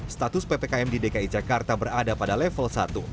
status ppkm di dki jakarta berada pada level satu